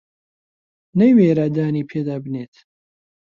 نەیوێرا دانی پێدا بنێت